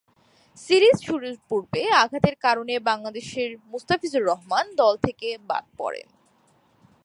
Series শুরুর পূর্বে আঘাতের কারণে বাংলাদেশের মুস্তাফিজুর রহমান দল থেকে বাদ পড়েন।